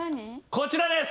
こちらです！